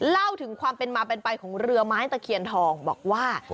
เล่าถึงความเป็นมาเป็นไปของเรือไม้ตะเคียนทองบอกว่า